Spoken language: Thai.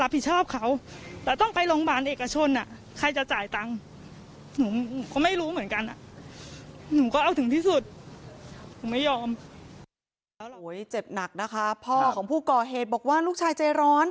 พ่อของผู้ก่อเหตุบอกว่าลูกชายใจร้อน